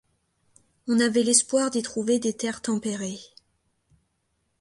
On avait l’espoir d’y trouver des terres tempérées.